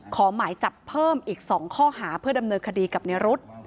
ขอหมายจับเพิ่มอีก๒ข้อหาเพื่อดำเนินคดีกับในรุธ